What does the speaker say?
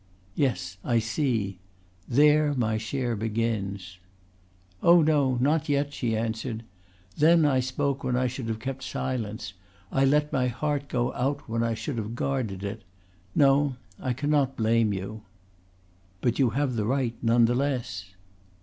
"Yes, I see. There my share begins." "Oh no. Not yet," she answered. "Then I spoke when I should have kept silence. I let my heart go out when I should have guarded it. No, I cannot blame you." "You have the right none the less."